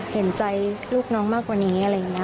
เห็นใจลูกน้องมากกว่านี้